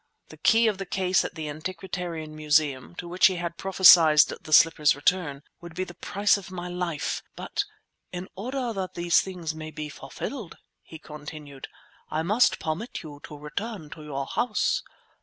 The key of the case at the Antiquarian Museum, to which he had prophesied the slipper's return, would be the price of my life! But— "In order that these things may be fulfilled," he continued, "I must permit you to return to your house.